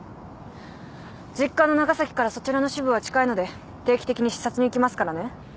実家の長崎からそちらの支部は近いので定期的に視察に行きますからね。